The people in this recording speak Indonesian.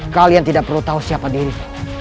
kalian tidak perlu tahu siapa dirinya